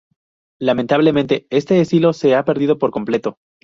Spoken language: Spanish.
Lamentablemente, este estilo se ha perdido por completo.